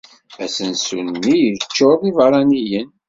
Asensu-nni yeccuṛ d ibeṛṛaniyen.